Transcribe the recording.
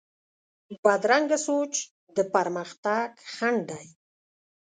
بدرنګه سوچ د پرمختګ خنډ دی